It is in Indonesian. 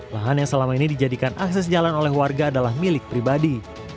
lahan yang selama ini dijadikan akses jalan oleh warga adalah milik pribadi